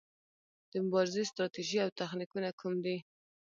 د مبارزې ستراتیژي او تخنیکونه کوم دي؟